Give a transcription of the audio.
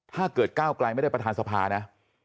ถ้าเกิดก้าวไกลไม่ได้ประธานสภานะ